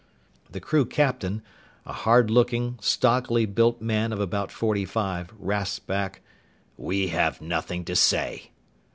The crew captain, a hard looking, stockily built man of about forty five, rasped back, "We have nothing to say."